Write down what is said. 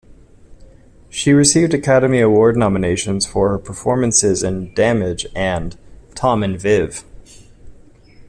She received Academy Award nominations for her performances in "Damage" and "Tom and Viv".